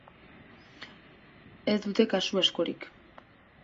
Ez dute kasu askorik.